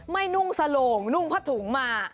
ไม่นุ่งสโหลงนุ่งพะถุงมา